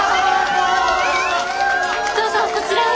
どうぞこちらへ！